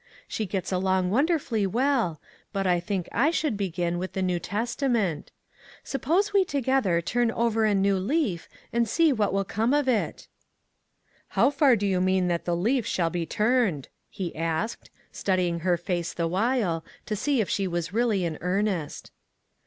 She gets along wonderfully well, but I think I should begin with the New Testa ment. Suppose we together turn over a new leaf and see what will come of it?" " How far do you mean that the leaf shall be turned ?" he asked, studying her face the while, to see if she was really in earnest.